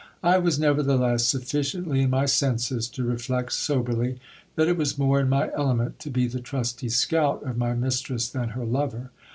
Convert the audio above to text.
I was never theless sufficiently in my senses to reflect soberly that it was more in my element to be the trusty scout of my mistress than her lover.